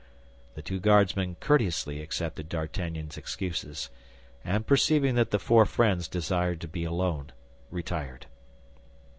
The two Guardsmen courteously accepted D'Artagnan's excuses, and perceiving that the four friends desired to be alone, retired.